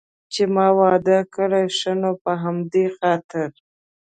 چې ما واده کړی، ښه نو په همدې خاطر.